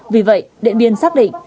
vì vậy điện biên xác định